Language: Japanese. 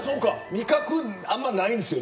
味覚あんまないんですよ。